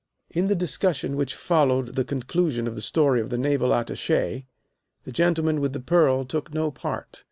In the discussion which followed the conclusion of the story of the Naval Attache the gentleman with the pearl took no part.